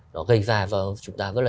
nó gây ra cho chúng ta rất là